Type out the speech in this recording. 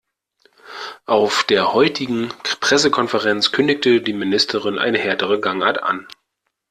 Auf der heutigen Pressekonferenz kündigte die Ministerin eine härtere Gangart an.